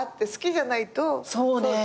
そうね。